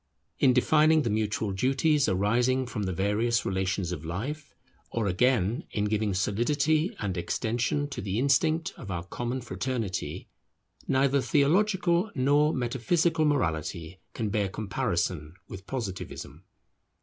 In defining the mutual duties arising from the various relations of life, or again in giving solidity and extension to the instinct of our common fraternity, neither theological nor metaphysical morality can bear comparison with Positivism.